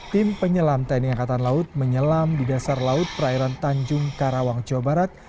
tim penyelam tni angkatan laut menyelam di dasar laut perairan tanjung karawang jawa barat